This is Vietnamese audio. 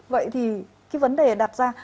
vậy thì cái vấn đề đặt ra